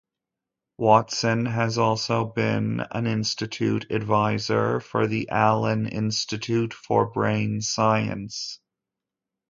Watson has also been an institute adviser for the Allen Institute for Brain Science.